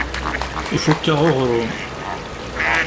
Ifukk-aɣ uɣrum.